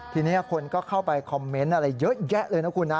ทีนี้คนก็เข้าไปคอมเมนต์อะไรเยอะแยะเลยนะคุณนะ